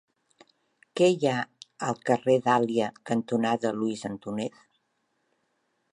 Què hi ha al carrer Dàlia cantonada Luis Antúnez?